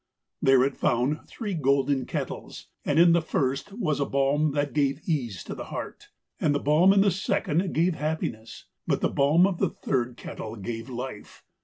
There it found three golden kettles, and in the first was a balm that gave ease to the heart, and the balm in the second gave happiness, but the balm of the third kettle gave life.